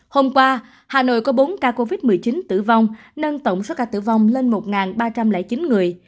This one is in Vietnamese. hôm qua hà nội có bốn ca covid một mươi chín tử vong nâng tổng số ca tử vong lên một ba trăm linh chín người